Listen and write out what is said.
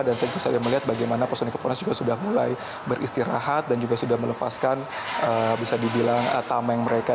dan saya juga saja melihat bagaimana personik kepolis juga sudah mulai beristirahat dan juga sudah melepaskan bisa dibilang tameng mereka